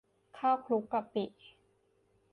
ข้าวคลุกกะปิ